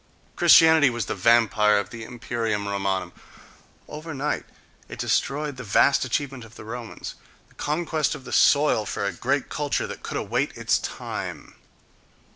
Christianity was the vampire of the imperium Romanum,—overnight it destroyed the vast achievement of the Romans: the conquest of the soil for a great culture that could await its time.